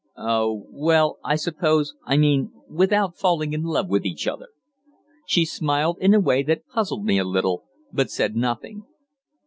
"Oh, well I suppose I mean without falling in love with each other." She smiled in a way that puzzled me a little, but said nothing.